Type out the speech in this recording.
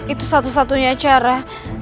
itu satu satunya cara